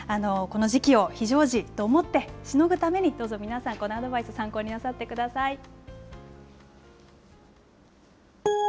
この時期を非常時と思って、しのぐためにどうぞ皆さん、このアドバイス参考になさってください。